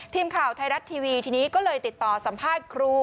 ทีมข่าวไทยรัฐทีวีทีนี้ก็เลยติดต่อสัมภาษณ์ครู